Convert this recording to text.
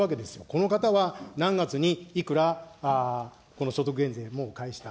この方は何月にいくら、この所得減税を返した。